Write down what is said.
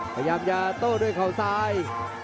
พยายามจะโต้ด้วยเขาซ้าย